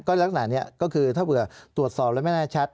ก็ตั้งแต่นี้ก็คือถ้าเผื่อตรวจสอบแล้วไม่น่าชัด